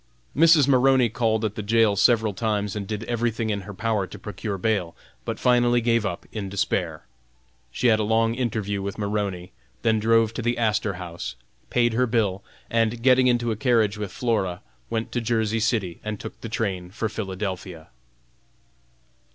Mrs. Maroney called at the jail several times and did everything in her power to procure bail, but finally gave up in despair. She had a long interview with Maroney, then drove to the Astor House, paid her bill, and, getting into a carriage with Flora, went to Jersey City and took the train for Philadelphia.